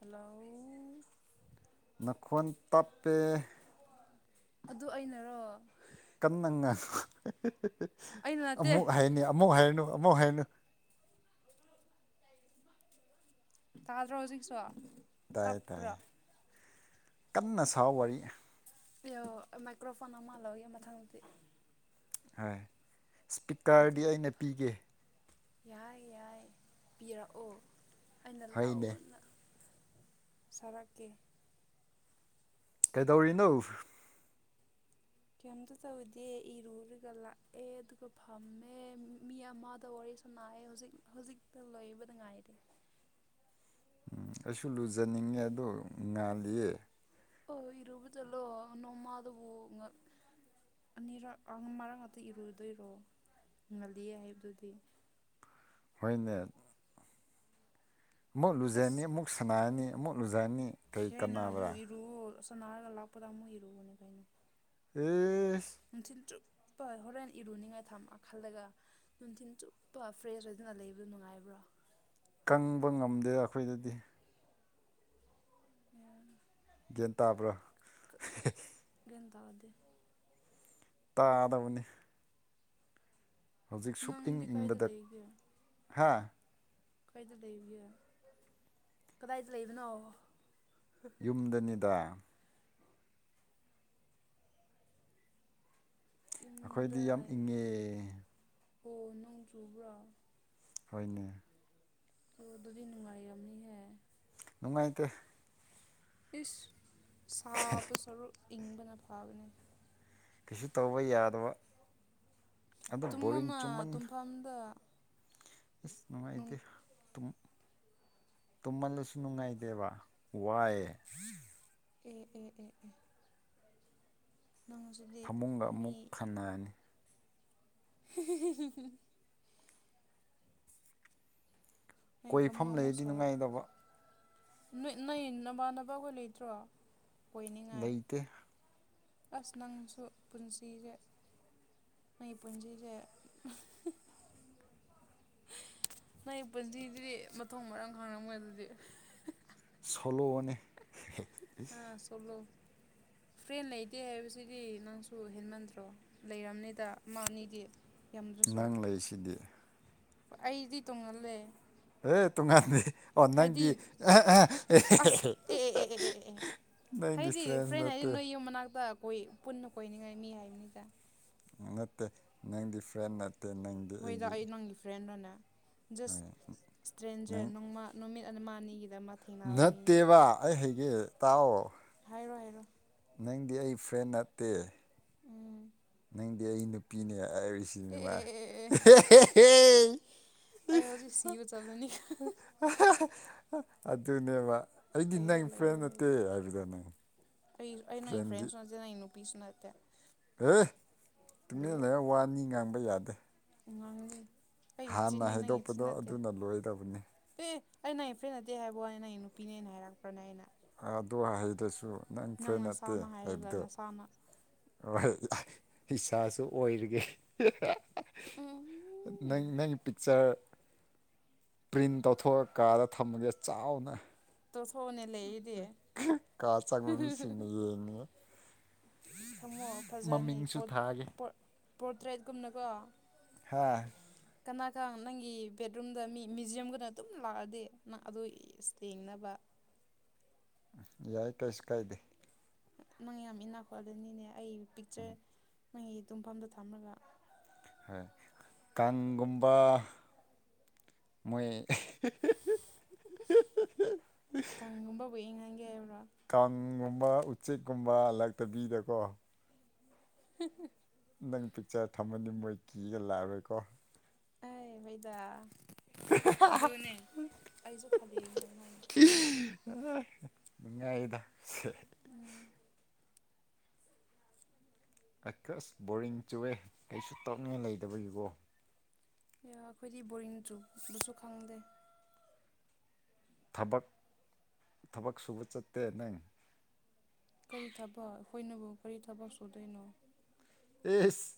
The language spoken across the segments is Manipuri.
ꯍꯜꯂꯣ ꯅꯈꯣꯟ ꯇꯞꯄꯦ ꯑꯗꯨ ꯑꯩꯅꯔꯣ ꯀꯟꯅꯟꯅ ꯉꯥꯡꯉꯨ ꯑꯩꯅ ꯅꯠꯇꯦ ꯑꯃꯨꯛ ꯍꯥꯏꯅꯤ ꯑꯃꯨꯛ ꯍꯥꯏꯅꯨ ꯑꯃꯨꯛ ꯍꯥꯏꯅꯨ ꯇꯥꯗ꯭ꯔꯣ ꯍꯧꯖꯤꯛꯁꯨ ꯇꯥꯏ ꯇꯞꯄ꯭ꯔꯣ ꯇꯥꯏ ꯀꯟꯅ ꯁꯥꯎ ꯋꯥꯔꯤ ꯃꯥꯏꯀ꯭ꯔꯣꯐꯣꯟ ꯑꯃ ꯂꯧꯒꯦ ꯃꯊꯪꯗꯗꯤ ꯍꫭꯏ ꯏꯁꯄꯤꯀꫪꯗꯤ ꯑꯗꯨꯒ ꯑꯩꯅ ꯄꯤꯒꯦ ꯌꯥꯏ ꯌꯥꯏ ꯄꯤꯔꯛꯑꯣ ꯑꯩꯅ ꯍꯣꯏꯅꯦ ꯂꯥꯎꯅ ꯁꯔꯥꯛꯀꯤ ꯀꯩꯗꯧꯔꯤꯅꯣ ꯀꯩꯝꯇ ꯇꯧꯗꯦ ꯏꯔꯨꯔꯒ ꯂꯥꯛꯑꯦ ꯑꯗꯨꯒ ꯐꯝꯃꯦ ꯃꯤ ꯑꯃꯗ ꯋꯥꯔꯤ ꯁꯅꯥꯑꯦ ꯍꯧꯖꯤꯛ ꯍꯧꯖꯤꯛꯛꯇ ꯂꫭꯏꯕꯗ ꯉꯥꯏꯔꯤ ꯎꯝ ꯑꯩꯁꯨ ꯂꯨꯖꯅꯤꯡꯉꯦ ꯑꯗꯣ ꯉꯥꯜꯂꯤꯌꯦ ꯑꯣ ꯏꯔꯨꯕ ꯆꯠꯂꯣ ꯅꯣꯡꯃ ꯑꯗꯨ ꯉꯛ ꯑꯅꯤꯔꯛ ꯃꯔꯥꯡ ꯉꯥꯛꯇ ꯏꯔꯨꯗꯣꯏꯔꯣ ꯉꯜꯂꯤ ꯍꯥꯏꯕꯗꯨꯗꯤ ꯍꫭꯏꯅꯦ ꯑꯃꯨꯛ ꯑꯁ ꯂꯨꯖꯅꯤ ꯑꯃꯨꯛ ꯁꯅꯥꯔꯅꯤ ꯑꯃꯨꯛ ꯂꯨꯖꯅꯤ ꯀꯔꯤ ꯀꯥꯟꯅꯕ꯭ꯔꯥ ꯁꯝꯅꯅꯥ ꯍꯥꯏꯔꯒ ꯂꯥꯛꯄꯗ ꯑꯃꯨꯛ ꯏꯔꯨꯕꯅꯦ ꯀꯩꯅꯣ ꯎꯝ ꯤꯟꯇ ꯆꯨꯞꯄ ꯍꯣꯔꯦꯟ ꯏꯔꯨꯅꯤꯡꯉꯥꯏ ꯊꯝ ꯈꯜꯂꯒ ꯅꯨꯡꯊꯤꯟ ꯆꯨꯞꯄ ꯐ꯭ꯔꯦꯁ ꯑꯣꯏꯗꯅ ꯂꯩꯕꯗꯣ ꯅꯨꯡꯉꯥꯏꯕ꯭ꯔꯥ ꯑ ꯀꯪꯕ ꯉꯝꯗꯦ ꯑꯩꯈꯣꯏꯗꯗꯤ ꯎꯝ ꯒ꯭ꯌꯥꯟ ꯇꯥꯕ꯭ꯔꯥ ꯂꯦꯟꯗꯋꯥꯗ ꯇꯥꯗꯕꯅꯤ ꯍꯧꯖꯤꯛ ꯁꯛ ꯏꯪ ꯅꯪꯗꯤ ꯀꯥꯏꯗ ꯏꯪꯕꯗ ꯂꯩꯒꯦ ꯍꯥ ꯀꯗꯥꯏꯇ ꯂꯩ ꯀꯗꯥꯏꯇ ꯂꯩ ꯅꯥꯑꯣ ꯌꯨꯝꯗꯅꯤꯗ ꯑꯩꯈꯣꯏꯗꯤ ꯌꯨꯝꯗ ꯌꯥꯝ ꯏꯪꯉꯦ ꯑꯣ ꯅꯣꯡ ꯆꯨꯕ꯭ꯔꯣ ꯍꯅꯤ ꯑꯣ ꯑꯗꯨ ꯅꯨꯡꯉꯥꯏ ꯌꯥ ꯃꯤꯍ ꯅꯨꯡꯉꯥꯏꯇ ꯏꯁ ꯁꯥꯕ ꯁꯔꯨꯛ ꯏꯪꯕꯅ ꯐꯕꯅꯦ ꯀꯩꯁꯨ ꯇꯧꯕ ꯌꯥꯗꯕ ꯑꯗ ꯕꯣꯔꯤꯡ ꯇꯨꯝꯃꯣꯅ ꯆꯨꯝꯃꯟꯗ ꯇꯨꯝꯐꯝꯗ ꯏꯁ ꯅꯨꯡꯉꯥꯏꯇꯦ ꯇꯨꯝ ꯇꯨꯝꯃꯜꯂꯁꯨ ꯅꯨꯡꯉꯥꯏꯇꯦꯕ ꯋꯥꯑꯦ ꯎꯝ ꯎꯝ ꯎꯝ ꯎꯝ ꯐꯃꯨꯡꯒ ꯑꯃꯨꯛ ꯈꯟꯅꯔꯅꯤ ꯍꯤꯍꯤꯍꯤꯍꯤ ꯅꯣꯏ ꯀꯣꯏꯐꯝ ꯂꯩꯔꯗꯤ ꯅꯨꯡꯉꯥꯏꯗꯧꯕ ꯅꯣ ꯅꯣꯏ ꯅꯃꯥꯟꯅꯕꯈꯣꯏ ꯂꯩꯇ꯭ꯔꯣ ꯑꯣꯏꯅꯤꯡꯉꯥꯏ ꯂꯩꯇꯦ ꯑꯁ ꯅꯪꯁꯨ ꯄꯨꯟꯁꯤꯁꯦ ꯃꯣꯏ ꯄꯨꯖꯤꯁꯦ ꯅꯪ ꯄꯨꯟꯁꯤꯗꯨꯗꯤ ꯃꯊꯣꯡ ꯃꯔꯝ ꯈꯥꯡꯔꯝꯃꯣꯏ ꯑꯗꯨꯗꯤ ꯁꯣꯂꯣꯅꯦ ꯑ ꯁꯣꯂꯣ ꯐ꯭ꯔꯦꯟ ꯂꯩꯇꯦ ꯍꯥꯏꯕꯁꯤꯗꯤ ꯅꯪꯁꯨ ꯍꯦꯟꯃꯟꯗ꯭ꯔꯣ ꯂꯩꯔꯕꯝꯅꯤꯗ ꯃꯥꯅꯤꯗꯤ ꯅꯪ ꯂꯩꯁꯤꯗꯤ ꯑꯩꯗꯤ ꯇꯣꯡꯉꯥꯜꯂꯦ ꯑꯦ ꯇꯣꯉꯥꯟꯗꯦ ꯑꯣꯟ ꯍꯥꯏꯗꯤ ꯅꯪꯗꯤ ꯑꯁ ꯑꯦ ꯑꯦ ꯑꯦ ꯑꯦ ꯑꯦ ꯑꯦ ꯑꯦ ꯅꯪꯗꯤ ꯍꯥꯏꯗꯤ ꯐ꯭ꯔꯦꯟꯁ ꯐ꯭ꯔꯦꯟ ꯍꯥꯏꯗꯤ ꯅꯠꯇꯦ ꯅꯣꯏ ꯌꯨꯝ ꯃꯅꯥꯛꯇ ꯀꯣꯏ ꯄꯨꯟꯅ ꯀꯣꯏꯅꯤꯡꯉꯥꯏ ꯃꯤ ꯍꯥꯏꯕꯅꯤꯗ ꯅꯠꯇꯦ ꯅꯪꯗꯤ ꯐ꯭ꯔꯦꯟ ꯅꯠꯇꯦ ꯅꯪꯗꯤ ꯍꯣꯏꯗ ꯑꯩꯒꯤ ꯑꯩ ꯅꯪꯒꯤ ꯐ꯭ꯔꯦꯟꯔꯅꯦ ꯖꯁ ꯏꯁꯇ꯭ꯔꯦꯟꯖꯔ ꯅꯪ ꯅꯣꯡꯃ ꯅꯨꯃꯤꯠ ꯃꯅꯤꯒꯤ ꯅꯠꯇꯦꯕ ꯑꯩ ꯍꯩꯒꯦ ꯇꯥꯎꯑꯣ ꯍꯥꯏꯔꯣ ꯍꯥꯏꯔꯣ ꯅꯪꯗꯤ ꯑꯩ ꯐ꯭ꯔꯦꯟ ꯅꯠꯇꯦ ꯎꯝ ꯅꯪꯗꯤ ꯑꯩ ꯅꯨꯄꯤꯅꯦ ꯑꯥꯏ ꯑꯦ ꯁꯤꯅꯤꯃꯥ ꯑꯗꯨ ꯑꯦ ꯑꯦ ꯑꯦ ꯑꯦ ꯑꯩ ꯍꯧꯖꯤꯛ ꯁꯤꯕ ꯆꯠꯂꯅꯤ ꯑꯗꯨꯅꯦꯕ ꯑꯩꯗꯤ ꯂꯩꯔꯦ ꯅꯪ ꯐ꯭ꯔꯦꯟ ꯂꯩꯔꯦ ꯅꯠꯇꯦ ꯂꯩꯔꯦ ꯍꯥꯏꯕꯗ ꯅꯪ ꯐ꯭ꯔꯦꯟꯗꯤ ꯄꯤꯁꯨꯅꯠꯇꯦ ꯑꯦ ꯇꯨꯡꯃꯤꯟꯅ ꯂꯩꯌꯣ ꯋꯥꯅꯤ ꯉꯥꯡꯕ ꯌꯥꯗꯦ ꯉꯥꯡꯂꯤ ꯑꯩꯒꯤ ꯍꯥꯟꯅ ꯆꯤꯟꯅꯤ ꯅꯪꯒꯤ ꯆꯤꯟ ꯍꯥꯏꯗꯣꯛꯄꯗꯣ ꯅꯠꯇꯦ ꯑꯗꯨꯅ ꯂꯣꯏꯗꯕꯅꯤ ꯑꯦ ꯑꯩ ꯅꯪꯒꯤ ꯐ꯭ꯔꯦꯟ ꯅꯠꯇꯦ ꯍꯥꯏꯕ ꯋꯥꯅꯦ ꯅꯪꯒꯤ ꯅꯨꯄꯤꯅꯦꯅ ꯍꯥꯏꯔꯛꯄ꯭ꯔꯅꯦ ꯑꯩꯅ ꯑꯗꯣ ꯍꯩꯇ꯭ꯔꯁꯨ ꯅꯪ ꯐ꯭ꯔꯦꯟ ꯅꯠꯇꯦ ꯅꯁꯥꯅ ꯍꯥꯏꯔꯒ ꯍꯥꯏꯕꯗꯣ ꯅꯁꯥꯅ ꯏꯁꯥꯁꯨ ꯑꯣꯏꯔꯤꯒꯦ ꯅꯪ ꯎꯝ ꯅꯪꯒꯤ ꯄꯤꯛꯆꯔ ꯄ꯭ꯔꯤꯟ ꯇꯧꯊꯣꯛꯑ ꯀꯥꯗ ꯊꯝꯃꯒꯦ ꯆꯥꯎꯅ ꯇꯣꯊꯣꯛꯑꯣꯅꯦ ꯂꯩꯔꯤꯗꯤ ꯀ ꯆꯪꯕꯗ ꯃꯤꯁꯤꯡꯅ ꯌꯦꯡꯅꯤꯉꯥꯏ ꯊꯝꯃꯣ ꯐꯖꯅꯤ ꯃꯃꯤꯡꯁꯨ ꯄꯣꯠ ꯊꯥꯒꯦ ꯄꯣꯠ ꯄꯣꯔꯇ꯭ꯔꯦꯠꯀꯨꯝꯅꯀꯣ ꯍꯥꯥ ꯀꯅꯥꯈꯪ ꯅꯪꯒꯤ ꯕꯦꯠꯔꯨꯝꯗ ꯃꯤ ꯃ꯭ꯌꯨꯖꯤꯌꯝꯒꯅ ꯑꯗꯨꯝ ꯂꯥꯛꯑꯗꯤ ꯅꯪ ꯑꯗꯨ ꯏꯁ ꯌꯦꯡꯅꯕ ꯑꯟꯑꯣꯗꯤꯕꯜ ꯌꯥꯏ ꯀꯩꯁ ꯀꯥꯏꯗꯦ ꯅꯪ ꯌꯥꯝ ꯏꯟꯅ ꯈꯣꯜꯂꯅꯤꯅꯦ ꯑꯩ ꯄꯤꯛꯆꯔ ꯅꯪꯒꯤ ꯇꯨꯝꯐꯝꯗ ꯊꯝꯃꯒ ꯍꯣꯏ ꯀꯥꯡꯒꯨꯝꯕ ꯃꯣꯏ ꯀꯥꯡꯒꯨꯝꯕꯕ ꯋꯦꯡꯍꯟꯒꯦ ꯍꯥꯏꯕ꯭ꯔꯥ ꯀꯨꯝꯕ ꯎꯆꯦꯛꯀꯨꯝꯕ ꯂꯥꯛꯇꯕꯤꯗꯀꯣ [unintelligible] ꯅꯪ ꯄꯤꯛꯆꯔ ꯊꯝꯃꯗꯤ ꯃꯣꯏ ꯀꯤꯒ ꯂꯥꯛꯔꯣꯏꯀꯣ ꯑ ꯃꯩꯗꯥ ꯑꯗꯨꯅꯦ ꯑꯩꯁꯨ ꯐꯜꯂꯤꯕꯅꯦ ꯑꯗꯨꯃꯥꯏꯅ ꯅꯨꯉꯥꯏꯗ ꯑꯀꯁ ꯕꯣꯔꯤꯡ ꯆꯨꯋꯦ ꯀꯩꯁꯨ ꯇꯞꯅꯤꯡꯉꯥꯏ ꯂꯩꯇꯕꯒꯤꯕꯣ ꯑꯩꯈꯣꯏꯗꯤ ꯕꯣꯔꯤꯡ ꯆꯨꯕꯁꯨ ꯈꯪꯗꯦ ꯊꯕꯛ ꯊꯕꯛ ꯁꯨꯕ ꯆꯠꯇꯦ ꯅꯪ ꯀꯔꯤ ꯊꯕꯛ ꯑꯩꯈꯣꯏꯅꯕꯨ ꯀꯔꯤ ꯊꯕꯛ ꯁꯨꯗꯣꯏꯅꯣ ꯑꯦꯁ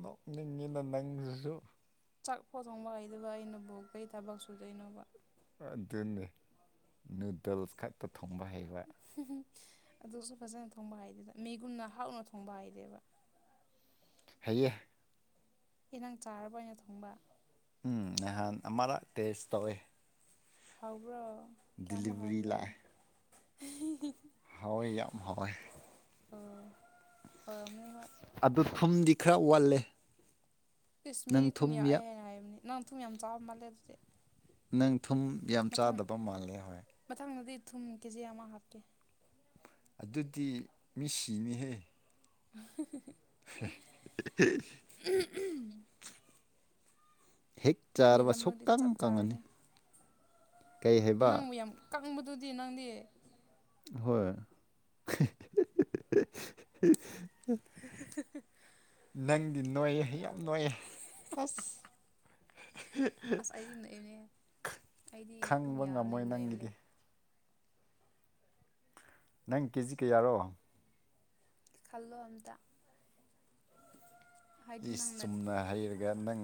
ꯅꯣꯛꯅꯤꯡꯉꯤꯅ ꯅꯪꯁꯤꯁꯨ ꯆꯥꯛꯄꯣ ꯊꯣꯡꯕ ꯍꯩꯗꯕ ꯑꯩꯅꯕꯨ ꯀꯩ ꯊꯕꯛ ꯁꯨꯗꯩꯅꯣꯕ ꯑꯗꯨꯅꯦ ꯅꯨꯗꯜꯁ ꯈꯛꯇ ꯊꯣꯡꯕ ꯍꯥꯏꯩꯕ ꯍꯝ ꯑꯗꯨꯁꯨ ꯐꯖꯅ ꯊꯣꯡꯕ ꯍꯥꯏꯗꯦꯗ ꯃꯤꯒꯨꯝꯅ ꯍꯥꯎꯅ ꯊꯣꯡꯕ ꯍꯥꯏꯗꯦꯕ ꯍꯥꯏꯌꯦ ꯑꯦ ꯅꯪ ꯆꯥꯔꯕ ꯑꯣꯏꯅ ꯊꯣꯡꯕ ꯎꯝ ꯅꯍꯥꯟ ꯑꯃꯔꯛ ꯇꯦꯁ ꯇꯧꯋꯦ ꯍꯥꯎꯕ꯭ꯔꯣ ꯀꯌꯥꯃꯨꯛ ꯗꯤꯂꯤꯚꯔꯤ ꯍꯥꯎꯒꯦ ꯍꯣꯏ ꯌꯥꯝꯌꯥꯝ ꯍꯣꯏ ꯑꯣ ꯍꯔꯝꯅꯤ ꯍꯣꯏ ꯑꯗꯨ ꯊꯨꯝꯗꯤ ꯈꯔ ꯋꯥꯜꯂꯦ ꯏꯁꯁ ꯃꯤꯗꯤ ꯊꯨꯝ ꯌꯥꯛꯑꯦ ꯍꯥꯏꯅ ꯍꯥꯏꯕꯅꯦ ꯅꯪ ꯊꯨꯝ ꯌꯥꯝ ꯆꯥꯎꯥꯕ ꯃꯥꯜꯂꯦ ꯑꯗꯨꯗꯤ ꯅꯪ ꯊꯨꯝ ꯌꯥꯝ ꯃꯊꯪ ꯆꯥꯗꯕ ꯃꯥꯜꯂꯦ ꯍꯣꯏ ꯃꯊꯪꯗꯗꯤ ꯊꯨꯝ ꯀꯦꯖꯤ ꯑꯃ ꯍꯥꯞꯀꯦ ꯑꯗꯨꯗꯤ ꯃꯤ ꯁꯤꯅꯤꯍꯦ [inaudible] [unintelligible] ꯍꯦꯛ ꯆꯥꯔꯕ ꯅꯪꯒꯤꯗꯃꯛꯇꯤ ꯁꯨꯛꯇꯪ ꯆꯞ ꯀꯪꯉꯅꯤ ꯆꯥꯔꯅꯤ ꯀꯩ ꯍꯥꯏꯕ ꯅꯪꯕꯨ ꯌꯥꯝ ꯀꯪꯕꯗꯨꯗꯤ ꯅꯪꯗꯤ ꯍꯣꯏ [inaudible] ꯅꯪꯗꯤ ꯅꯣꯏꯌꯦ ꯌꯥꯝ ꯅꯣꯏꯌꯦꯦ ꯑꯁ ꯑꯁ ꯑꯩꯗꯤ ꯅꯣꯏꯏꯕꯅꯦ ꯑꯩꯗꯤ ꯑꯗꯨꯝ ꯈꯪꯕ ꯌꯥꯕꯅꯦ ꯉꯝꯃꯣꯏ ꯅꯣꯏꯕꯅꯦ ꯅꯪꯒꯤꯗꯤ ꯅꯪ ꯀꯦꯖꯤ ꯀꯌꯥꯔꯣ ꯈꯜꯂꯣ ꯑꯗ ꯏꯁ ꯆꯨꯝꯅ ꯍꯩꯔꯒ ꯅꯪ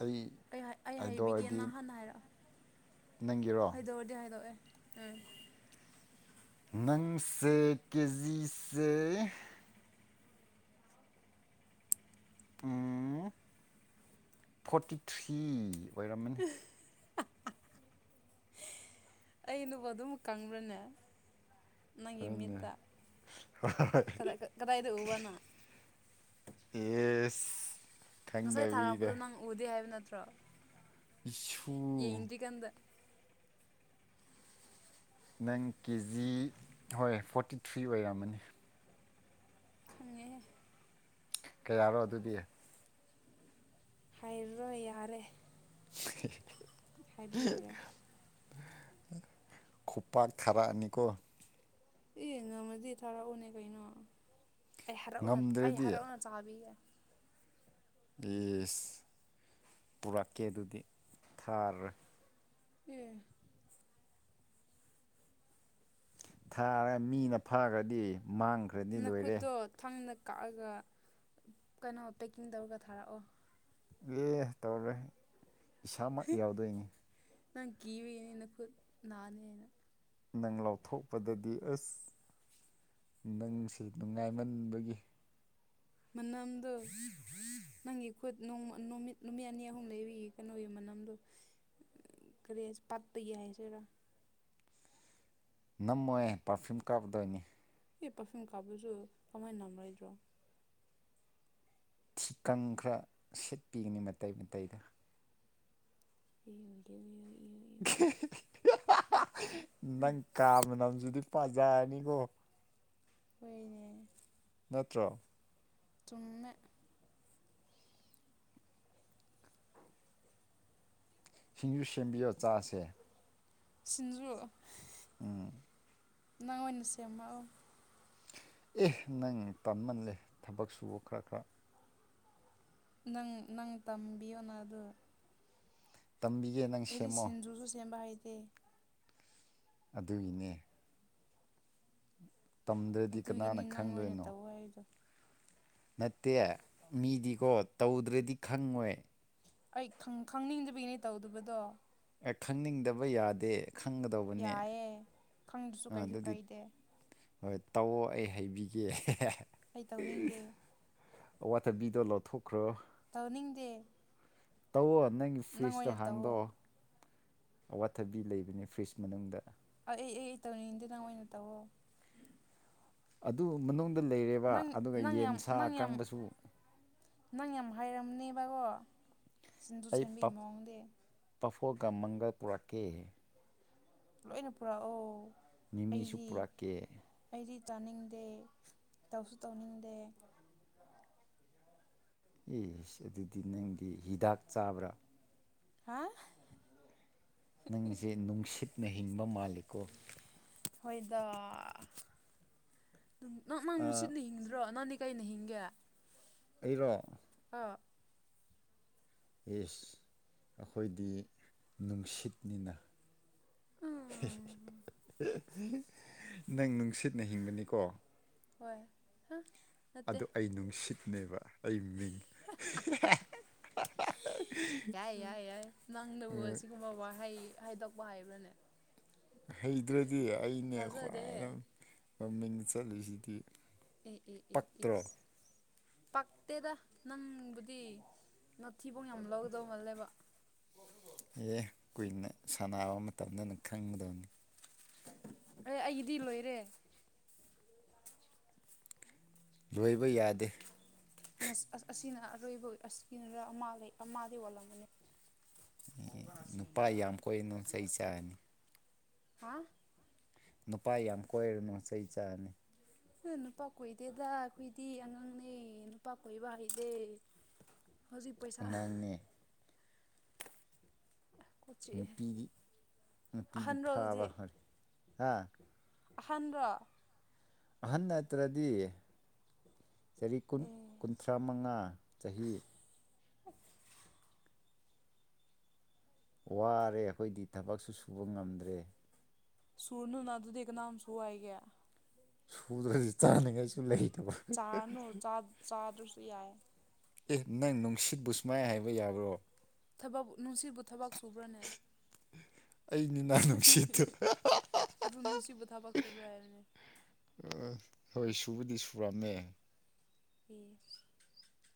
ꯑꯩ ꯍꯥꯏꯗꯣꯛꯔꯗꯤ ꯍꯥꯏꯗꯧꯗꯤ ꯍꯥꯏꯗꯣꯛꯑꯦ ꯅꯪꯁꯦ ꯀꯦꯖꯤꯁꯦ ꯎꯝ ꯐꯣꯔꯇꯤ ꯊ꯭ꯔꯤ ꯑꯣꯏꯔꯝꯃꯅꯤ ꯑꯩꯩꯅꯕꯨ ꯑꯗꯨꯝ ꯀꯪꯕ꯭ꯔꯅꯦ ꯅꯪꯒꯤ ꯍꯣꯏꯅꯦ ꯃꯤꯠꯇ ꯀꯗꯥꯏꯗ ꯎꯕꯅꯣ ꯌꯦꯁ ꯉꯁꯥꯏ ꯊꯥꯔꯛꯄꯗꯣ ꯅꯪ ꯎꯗꯦ ꯍꯥꯏꯕ ꯅꯠꯇ꯭ꯔꯣ ꯁꯨ ꯌꯦꯡꯗ꯭ꯔꯤꯀꯥꯟꯗ ꯅꯪ ꯀꯦ ꯖꯤ ꯍꯣꯏ ꯐꯣꯔꯇꯤ ꯊ꯭ꯔꯤ ꯑꯣꯏꯔꯝꯃꯅꯤ ꯈꯉꯦ ꯀꯩ ꯌꯥꯔꯣ ꯑꯗꯨꯗꯤ ꯍꯥꯏꯔꯔꯣꯏ ꯌꯥꯔꯦ [unintelligible] ꯍꯥꯏꯕꯤꯨꯔꯦ ꯈꯨꯄꯥꯛ ꯊꯥꯔꯛꯑꯅꯤꯀꯣ ꯑꯦ ꯉꯝꯃꯗꯤ ꯊꯔꯛꯎꯅꯦ ꯀꯩꯅꯣ ꯑꯩ ꯍꯥꯏꯔꯥꯎ ꯑꯩ ꯉꯝꯗ꯭ꯔꯗꯤ ꯍꯔꯥꯎꯅ ꯆꯥꯕꯤꯒꯦ ꯌꯦꯁ ꯄꯨꯔꯛꯀꯦ ꯑꯗꯨꯗꯤ ꯊꯥꯔꯦ ꯎꯝ ꯊꯥꯔꯒ ꯃꯤꯅ ꯐꯥꯈ꯭ꯔꯗꯤ ꯃꯥꯡꯈ꯭ꯔꯗꯤ ꯂꯣꯏꯔꯦ ꯅꯈꯨꯠꯇꯣ ꯊꯥꯡꯅ ꯀꯛꯑꯒ ꯀꯩꯅꯣ ꯄꯦꯛꯀꯤꯡ ꯇꯧꯔꯒ ꯊꯥꯔꯛꯑꯣ ꯑꯦ ꯇꯧꯔꯦ ꯏꯁꯥꯃꯛ ꯌꯥꯎꯗꯣꯏꯅꯤ ꯅ ꯒꯤꯕꯤꯅ ꯈꯨ ꯅꯅꯦꯩꯅ ꯅꯪ ꯂꯥꯎꯊꯣꯛꯄꯗꯗꯤ ꯑꯁ ꯅꯪꯁꯤ ꯅꯨꯡꯉꯥꯏꯃꯟꯕꯒꯤ ꯃꯅꯥꯝꯗ ꯅꯪꯒꯤ ꯈꯨꯠ ꯅꯨꯃꯤꯠ ꯅꯨꯃꯤꯠ ꯑꯅꯤ ꯑꯍꯨꯝ ꯂꯩꯔꯤꯒꯤ ꯀꯩꯅꯣꯒꯤ ꯃꯅꯝꯗꯣ ꯀꯔꯤꯁ ꯄꯠꯇ ꯌꯥꯏꯁꯨꯔꯥ ꯅꯝꯃꯣꯏ ꯄꯥꯔꯐ꯭ꯌꯨꯝ ꯀꯥꯞꯀꯗꯣꯏꯅꯤ ꯑꯦ ꯄꯥꯔꯐ꯭ꯌꯨꯝ ꯀꯥꯞꯄꯁꯨ ꯀꯃꯥꯏꯅ ꯅꯝꯔꯣꯏꯗ꯭ꯔꯣ ꯊꯤꯀꯪ ꯈꯔ ꯁꯤꯠꯄꯤꯒꯅꯤ ꯃꯇꯩ ꯃꯇꯩꯗ ꯑꯩ ꯍꯧꯗꯤ ꯅꯪ ꯀꯥꯕꯅꯝꯗꯨꯗꯤ ꯄꯖꯅꯤꯀꯣ ꯍꯣꯏꯅꯦ ꯅꯠꯇ꯭ꯔꯣ ꯇ ꯁꯤꯡꯖꯨ ꯁꯦꯝꯕꯤꯌꯣ ꯆꯥꯁꯦ ꯁꯤꯁꯤꯡꯟꯖꯨ ꯎꯝ ꯅꯪ ꯋꯥꯅꯁꯃ ꯑꯦ ꯅꯪ ꯇꯥꯟꯃꯜꯂꯦ ꯊꯕꯛ ꯁꯨꯕ ꯈꯔ ꯈꯔ ꯅꯪ ꯅꯪ ꯇꯝꯕꯤꯌꯣꯅ ꯑꯗꯨ ꯇꯝꯕꯤꯒꯦ ꯅꯪ ꯑꯩꯗꯤ ꯁꯦꯝꯃꯣ ꯁꯤꯡꯖꯨꯁꯨ ꯁꯦꯝꯕ ꯍꯥꯏꯩꯗꯦ ꯑꯗꯨꯒꯤꯅꯦ ꯇꯝꯗ꯭ꯔꯗꯤ ꯑꯗꯨꯒꯤꯅꯤ ꯀꯅꯥꯅ ꯅꯪ ꯑꯣꯏꯅ ꯈꯪꯗꯣꯏꯅꯣ ꯇꯧ ꯍꯥꯏꯗꯣ ꯅꯠꯇꯦ ꯃꯤꯗꯤꯀꯣ ꯇꯧꯗ꯭ꯔꯗꯤ ꯈꯪꯉꯣꯏ ꯑꯩ ꯈꯪꯅꯤꯡꯗꯕꯤꯒꯤꯅꯦ ꯇꯧꯗꯕꯗꯣ ꯑꯦ ꯈꯪꯅꯤꯡꯗꯕ ꯌꯥꯗꯦ ꯈꯪꯒꯗꯧꯕꯅꯦ ꯌꯥꯏꯌꯦ ꯈꯪꯗ꯭ꯔꯁꯨ ꯀꯩꯁꯨ ꯑꯗꯨꯗꯤ ꯀꯥꯏꯗꯦ ꯍꯣꯏ ꯇꯧꯑꯣ ꯑꯩ ꯍꯥꯏꯩꯕꯤꯒꯦ ꯑꯩ ꯇꯧꯅꯤꯡꯗꯦ ꯋꯥꯇꯔ ꯕꯤꯗꯜꯥꯎ ꯊꯣꯛꯈ꯭ꯔꯣ ꯇꯧꯅꯤꯡꯗꯦ ꯇꯧꯑꯣ ꯅꯪꯒꯤ ꯅꯪ ꯐ꯭ꯔꯤꯖꯇꯣ ꯑꯣꯏꯅ ꯇꯧꯑꯣ ꯍꯥꯡꯗꯣꯛꯑꯣ ꯑꯋꯥꯠꯊꯕꯤ ꯂꯩꯕꯅꯤ ꯐ꯭ꯔꯤꯖ ꯃꯅꯨꯡꯗ ꯑꯩ ꯑꯩ ꯑꯩ ꯑꯩ ꯇꯧꯅꯤꯡꯉꯗꯦ ꯅꯪ ꯑꯣꯏꯅ ꯇꯧꯋꯣ ꯑꯗꯨ ꯃꯅꯨꯡꯗ ꯂꯩꯔꯦꯕ ꯑꯗꯨꯒ ꯅꯪ ꯌꯦꯟ ꯌꯥꯝ ꯁꯥ ꯅꯪ ꯌꯥꯝ ꯀꯥꯡꯪꯕꯁꯨ ꯊꯕꯀꯣ ꯁꯤꯟꯗꯨ ꯁꯦꯝꯦꯝꯕꯤ ꯃꯑꯣꯡꯗꯦ ꯄꯐꯣꯛꯒ ꯃꯪꯒꯜ ꯄꯨꯔꯛꯀꯦ ꯂꯣꯏꯅ ꯄꯨꯔꯥ ꯑ ꯃꯤꯃꯤꯁꯨ ꯄꯨꯔꯛꯀꯦ ꯑꯩꯗꯤ ꯆꯥꯅꯤꯡꯗꯦ ꯇꯧꯁꯨ ꯇꯧꯅꯤꯡꯗꯦ ꯑꯦꯁ ꯑꯗꯨꯗꯤ ꯅꯪꯗꯤ ꯍꯤꯗꯥꯛ ꯆꯥꯕ꯭ꯔꯥ ꯍꯥ ꯅꯪꯁꯦ ꯅꯨꯡꯁꯤꯠꯅ ꯍꯤꯡꯕ ꯃꯥꯜꯂꯤꯀꯣ ꯍꯣꯏꯗ ꯅꯪ ꯅꯪ ꯅꯨꯡꯁꯤꯠꯅꯤꯡꯗ꯭ꯔꯣ ꯅꯪꯅꯤ ꯀꯩꯅ ꯍꯤꯡꯒꯦ ꯑꯩꯔꯣ ꯑ ꯌꯦꯁ ꯑꯩꯈꯣꯏꯗꯤ ꯅꯨꯡꯁꯤꯠꯅꯤꯅ ꯎꯝ ꯅꯪ ꯅꯨꯡꯁꯤꯠꯅ ꯍꯤꯡꯕꯅꯤꯀꯣ ꯍꯣꯏ ꯅꯠꯇꯦ ꯑꯗꯨ ꯑꯩ ꯅꯨꯡꯁꯤꯠꯅꯦꯕ ꯑꯩ ꯃꯤꯡ ꯌꯥꯏ ꯌꯥꯏ ꯌꯥꯏ ꯅꯪꯅꯕꯨ ꯑꯁꯤꯒꯨꯝꯕ ꯋꯥꯍꯩ ꯍꯥꯏꯗꯣꯛ ꯚꯥꯏꯕꯅꯦ ꯍꯩꯗ꯭ꯔꯗꯤ ꯑꯩꯅ ꯊꯥꯖꯗꯦ ꯈ꯭ꯋꯥꯏꯗ ꯃꯃꯤꯡ ꯆꯠꯂꯤꯁꯤꯗꯤ ꯑꯦ ꯑꯦ ꯑꯦ ꯑꯦ ꯄꯛꯇ꯭ꯔꯣ ꯄꯛꯇꯦꯗ ꯅꯪꯕꯨꯗꯤ ꯅꯥꯊꯤꯕꯧ ꯌꯥꯝ ꯂꯧꯗꯧ ꯃꯥꯜꯂꯦꯕ ꯑꯦ ꯀꯨꯏꯅ ꯁꯥꯟꯅꯕ ꯃꯇꯝꯗꯅ ꯈꯪꯒꯗꯕꯅꯤ ꯑꯦ ꯑꯩꯒꯤꯗꯤ ꯂꯣꯏꯔꯦ ꯂꯣꯏꯕ ꯌꯥꯗꯦ ꯑꯁꯤꯅ ꯑꯔꯣꯏꯕ ꯑꯁꯤꯒꯤ ꯂꯩ ꯑꯃ ꯂꯩ ꯑꯣꯜꯂꯝꯕꯅꯤ ꯅꯨꯄꯥ ꯌꯥꯝ ꯀꯣꯏꯏꯔꯅꯨ ꯏꯁꯩ ꯆꯥꯅꯤ ꯍꯥ ꯅꯨꯄꯥ ꯌꯥꯝ ꯀꯣꯏꯔꯨꯅꯨꯆ ꯏꯆꯥꯅꯤ ꯅꯨꯄꯥ ꯀꯣꯏꯗꯦꯗ ꯑꯩꯈꯣꯏꯗꯤ ꯑꯉꯥꯡꯅꯦ ꯅꯨꯄꯥ ꯀꯣꯏꯕ ꯍꯥꯏꯗꯦ ꯍꯧꯖꯤꯛ ꯄꯩꯁꯥ ꯑꯉꯥꯡꯅꯦ ꯀꯣꯛ ꯆꯤꯛꯑꯦ ꯅꯨꯄꯤꯗꯤ ꯅꯨꯄꯤꯗꯤ ꯑꯍꯟꯔꯣ ꯐꯥꯕ ꯍꯔ ꯍꯥ ꯑꯍꯟꯂꯥ ꯑꯍꯟ ꯅꯠꯇ꯭ꯔꯗꯤ ꯆꯍꯤ ꯀꯨ ꯀꯨꯟꯊ꯭ꯔꯥ ꯃꯉꯥ ꯆꯍꯤ ꯋꯥꯔꯦ ꯑꯩꯈꯣꯏꯗꯤ ꯊꯕꯛꯁꯨ ꯁꯨꯕ ꯉꯝꯗ꯭ꯔꯦ ꯁꯨꯔꯅꯨꯅ ꯑꯗꯨꯗꯤ ꯀꯅꯥꯝꯁꯨ ꯍꯥꯏꯏꯒꯦ ꯁꯨꯗ꯭ꯔꯗꯤ ꯆꯥꯅꯉꯥꯏꯁꯨ ꯂꯩ ꯆꯥꯅ ꯆꯥ ꯆꯥ ꯑꯗꯨꯁꯨ ꯌꯥꯏ ꯑꯦ ꯅꯪ ꯅꯨꯡꯁꯤꯠ ꯕꯨꯁꯃꯥꯏ ꯍꯥꯏꯕ ꯌꯥꯕ꯭ꯔꯣ ꯊꯕꯛ ꯅꯨꯡꯁꯤꯕꯨ ꯊꯕꯛ ꯁꯨꯕ꯭ꯔꯥꯅꯦ ꯑꯩꯅꯤ ꯅꯪ ꯅꯨꯡꯁꯤꯠꯇꯣ ꯑꯗꯨ ꯁꯤ ꯄ ꯊꯥꯕꯛ ꯁꯨꯕ꯭ꯔꯥ ꯍꯥꯏꯕꯅꯤ ꯍꯣꯏ ꯁꯨꯕꯗꯤ ꯁꯨꯔꯝꯃꯦ ꯑꯦ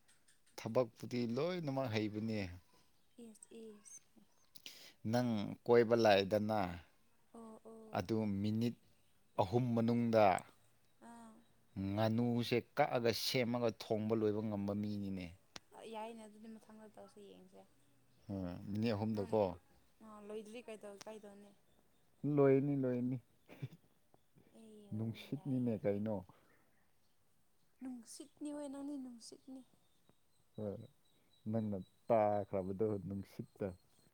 ꯊꯕꯛꯄꯨꯗꯤ ꯂꯣꯏꯅꯃꯛ ꯍꯩꯕꯅꯦ ꯌꯦꯁ ꯏꯁ ꯅꯪ ꯀꯣꯏꯕ ꯂꯥꯛꯑꯏꯗꯅ ꯑꯣ ꯑꯗꯨ ꯑꯣ ꯃꯤꯅꯤꯠ ꯑꯍꯨꯝ ꯃꯅꯨꯡꯗ ꯉꯥꯅꯨ ꯆꯦꯛ ꯀꯛꯑꯒ ꯁꯦꯝꯃꯒ ꯊꯣꯡꯕ ꯂꯣꯏꯕ ꯉꯝꯕ ꯃꯤꯅꯤꯅꯦ ꯌꯥꯏꯅꯦ ꯑꯗꯨꯗꯤ ꯃꯊꯪꯗ ꯇꯧꯁꯦ ꯌꯦꯡꯁꯦ ꯃꯤꯅꯤ ꯑꯍꯨꯝꯗꯀꯣ ꯏꯂꯤ ꯀꯩꯗꯧ ꯀꯥꯏꯗꯧꯅꯤ ꯂꯣꯏꯅꯤ ꯂꯣꯏꯔꯅꯤ ꯑꯩ ꯌꯥꯏ ꯌꯥꯏ ꯅꯨꯡꯁꯤꯠꯅꯤꯅꯦ ꯌꯦꯡꯁꯦ ꯀꯩꯅꯣ ꯅꯨꯡꯁꯤꯠꯅꯤ ꯑꯣꯏ ꯅꯅꯤ ꯅꯨꯡꯁꯤꯠꯅꯤ ꯍꯣꯏ ꯅꯪꯅ ꯇꯥꯈ꯭ꯔꯕꯗꯣ ꯅꯨꯡꯁꯤꯛꯇ